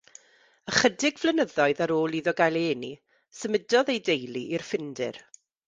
Ychydig flynyddoedd ar ôl iddo gael ei eni, symudodd ei deulu i'r Ffindir.